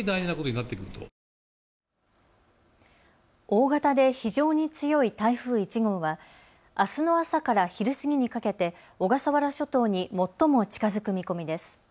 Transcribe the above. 大型で非常に強い台風１号はあすの朝から昼過ぎにかけて小笠原諸島に最も近づく見込みです。